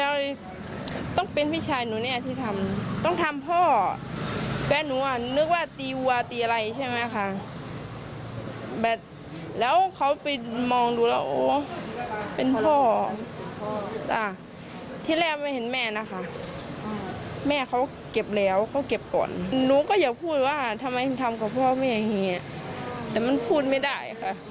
ว่าทำไมทำกับพ่อแม่อย่างนี้แต่มันพูดไม่ได้ค่ะ